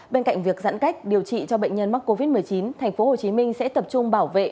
bên cạnh việc giãn cách điều trị cho bệnh nhân mắc covid một mươi chín tp hcm sẽ tập trung bảo vệ